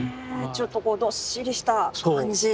ちょっとこうどっしりした感じ。